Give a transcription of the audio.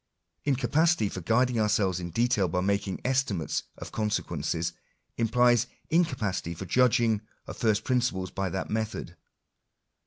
In capacity for guiding ourselves in detail hy making estimates of consequences, implies incapacity for judging of first principles by that method.